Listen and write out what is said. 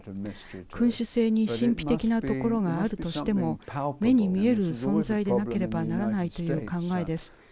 君主制に神秘的なところがあるとしても目に見える存在でなければならないという考えです。